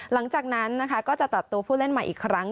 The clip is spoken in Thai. หลังจากนั้นนะคะก็จะตัดตัวผู้เล่นใหม่อีกครั้ง